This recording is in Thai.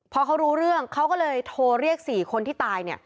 พอเขารู้เรื่องเขาก็เลยโทรเรียก๔คนที่ตาย